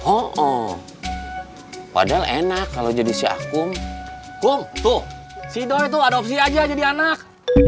oh padahal enak kalau jadi si akum kumpul si doi tuh ada opsi aja jadi anak